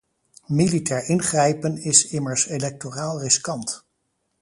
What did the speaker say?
Militair ingrijpen is immers electoraal riskant.